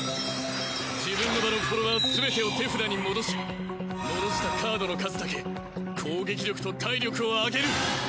自分の場のフォロワーすべてを手札に戻し戻したカードの数だけ攻撃力と体力を上げる。